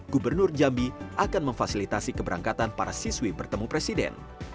gubernur jambi akan memfasilitasi keberangkatan para siswi bertemu presiden